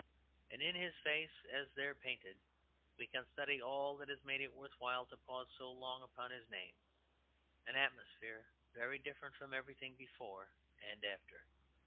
And in his face, as there painted, we can study all that has made it worth while to pause so long upon his name; an atmosphere very different from everything before and after.